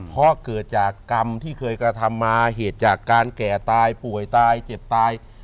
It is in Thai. เพราะเกิดจากกรรมที่เคยกระทำมาเหตุจากการแก่ตายป่วยตายเจ็บตาย